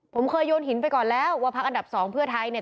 ผมเคยโยนหินไปก่อนแล้วว่าภาคอันดับ๒เพื่อไทย